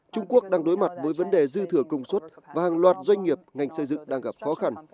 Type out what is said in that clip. trung quốc đang đối mặt với vấn đề dư thừa công suất và hàng loạt doanh nghiệp ngành xây dựng đang gặp khó khăn